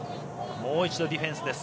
もう一度ディフェンスです。